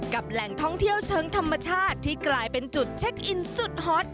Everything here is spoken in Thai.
แหล่งท่องเที่ยวเชิงธรรมชาติที่กลายเป็นจุดเช็คอินสุดฮอต